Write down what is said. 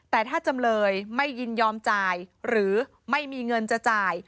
แต่ถ้าจำเลยไม่ยินยอมจ่ายหรือไม่มีเงินจะจ่าย